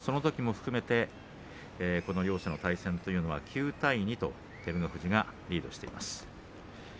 そのときも含めてこの両者の対戦というのは９対２と照ノ富士がリードしています。